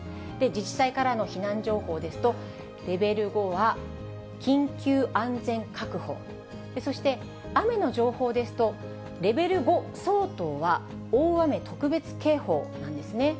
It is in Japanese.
自治体からの避難情報ですと、レベル５は緊急安全確保、そして雨の情報ですと、レベル５相当は大雨特別警報なんですね。